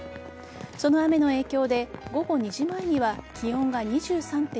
その雨の影響で午後２時前には気温が２３．２度。